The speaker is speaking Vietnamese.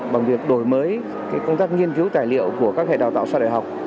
bằng việc đổi mới công tác nghiên cứu tài liệu của các hệ đào tạo so với đại học